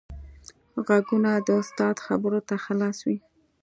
غوږونه د استاد خبرو ته خلاص وي